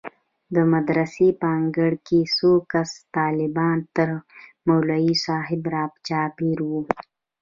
د مدرسې په انګړ کښې څو کسه طلبا تر مولوي صاحب راچاپېر وو.